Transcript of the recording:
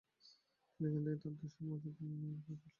তিনি এখান থেকে তাঁর দেশে মাছের পোনা নেওয়ার আগ্রহ প্রকাশ করেন।